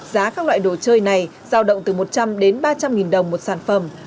giá các loại đồ chơi này giao động từ một trăm linh đến ba trăm linh nghìn đồng một sản phẩm